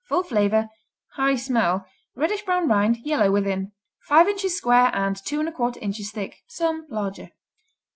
Full flavor, high smell, reddish brown rind, yellow within. Five inches square and 2 1/4 inches thick; some larger.